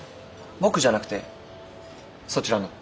僕じゃなくてそちらの。